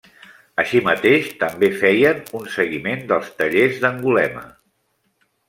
Així mateix, també feien un seguiment dels tallers d'Angulema.